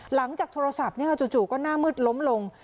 หลังจากโทรศัพท์จู่ก็หน้ามืดล้มลง